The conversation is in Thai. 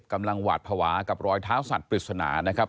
หวาดภาวะกับรอยเท้าสัตว์ปริศนานะครับ